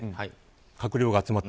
閣僚が集まって。